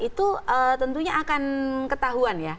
itu tentunya akan ketahuan ya